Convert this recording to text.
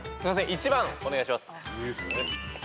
１番お願いします。